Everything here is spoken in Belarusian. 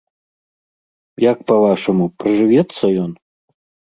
Як па-вашаму, прыжывецца ён?